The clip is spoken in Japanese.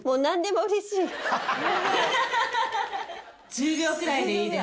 １０秒くらいでいいです。